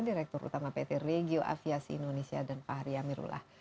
direktur utama pt regio aviasi indonesia dan pak hryam mirullah